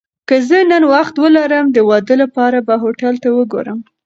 که زه نن وخت ولرم، د واده لپاره به هوټل وګورم.